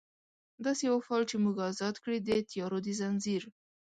داسي یو فال چې موږ ازاد کړي، د تیارو د ځنځیر